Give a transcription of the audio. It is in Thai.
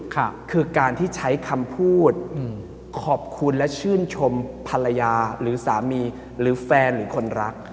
คือการที่ใช้คำพูดอืมขอบคุณและชื่นชมภรรยาหรือสามีหรือแฟนหรือคนรัก